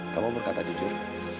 kamu berkata jujur